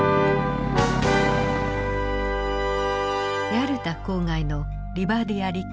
ヤルタ郊外のリバディア離宮。